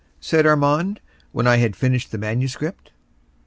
said Armand, when I had finished the manuscript.